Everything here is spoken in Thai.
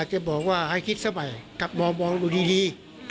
ให้คิดเสมอมองดูดี